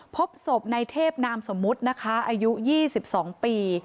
พบสบในเทพนามสมมุติอายุ๒๒ปี